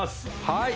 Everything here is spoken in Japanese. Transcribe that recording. はい